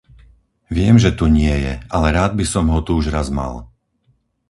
Viem, že tu nie je, ale rád by som ho tu už raz mal.